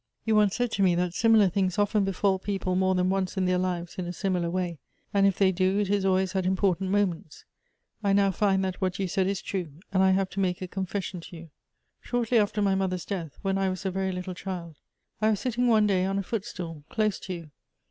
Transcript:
You once said to me that similar things often befall ])eople more than once in their lives in a similar way, and if they do, it is alw.ays at important moments. I now find that what you said is true, and I h.ive to make a confession to you. Shortly after my mother's death, when I was a veiy little child, I was sitting one day on a footstool close to you.